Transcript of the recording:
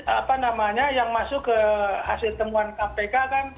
apa namanya yang masuk ke hasil temuan kpk kan